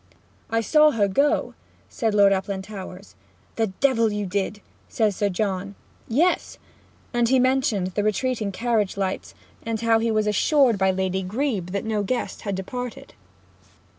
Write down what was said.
'I saw her go,' said Lord Uplandtowers. 'The devil you did!' says Sir John. 'Yes.' And he mentioned the retreating carriage lights, and how he was assured by Lady Grebe that no guest had departed.